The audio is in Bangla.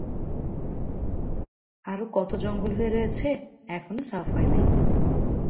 আরও কত জঙ্গল হয়ে রয়েছে, এখনও সাফ হয় নাই।